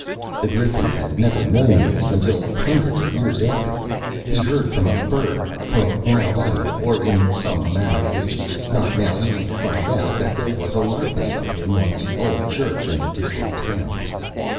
The Griffin had never known this, until, hundreds of years afterward, he heard from a bird, from a wild animal, or in some manner which it is not now easy to find out, that there was a likeness of him on the old church in the distant town.